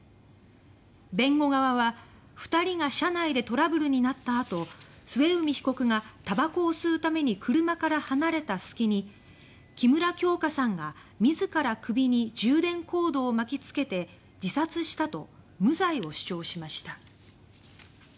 弁護側は、２人が車内でトラブルになった後末海被告がたばこを吸うために車から離れた隙に木村京花さんが自ら首に充電コードを巻き付けて自殺したと無罪を主張しました。